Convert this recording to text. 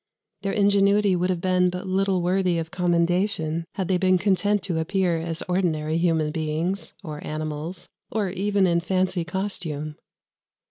Their ingenuity would have been but little worthy of commendation had they been content to appear as ordinary human beings, or animals, or even in fancy costume.